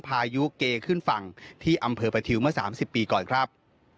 พายุเกขึ้นฝั่งที่อำเภอประทิวเมื่อ๓๐ปีก่อนครับ